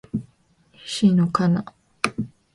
西野カナ